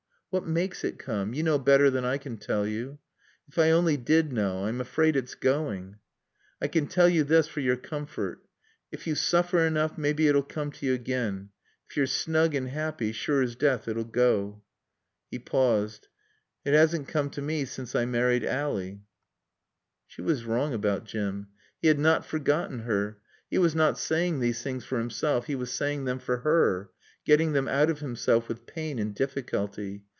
"What maakes it coom? Yo knaw better than I can tall yo." "If I only did know. I'm afraid it's going." "I can tell yo this for your coomfort. Ef yo soofer enoof mebbe it'll coom t' yo again. Ef yo're snoog and 'appy sure's death it'll goa." He paused. "It 'assn't coom t' mae sence I married Ally." She was wrong about Jim. He had not forgotten her. He was not saying these things for himself; he was saying them for her, getting them out of himself with pain and difficulty.